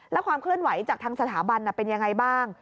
แล้วความเคลื่อนไหวจากทางสถาบันเป็นยังไงบ้าง